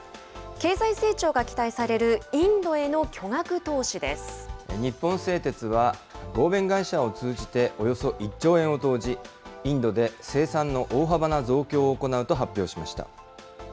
経済成長が期待される、日本製鉄は合弁会社を通じて、およそ１兆円を投じ、インドで生産の大幅な増強を行うと発表しま